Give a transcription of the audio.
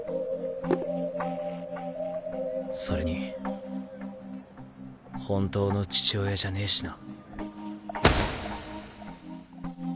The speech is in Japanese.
それに本当の父親じゃねぇしな。